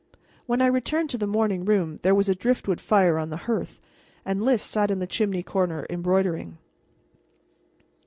When I returned to the morning room there was a driftwood fire on the hearth, and Lys sat in the chimney corner embroidering.